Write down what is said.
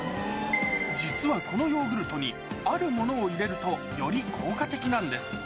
実はこのヨーグルトにあるものを入れると、より効果的なんです。